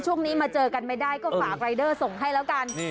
ช่วงนี้มาเจอกันไม่ได้ก็ฝากรายเดอร์ส่งให้แล้วกัน